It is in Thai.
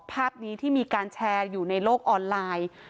ภาพนี้ที่มีการแชร์อยู่ในโลกออนไลน์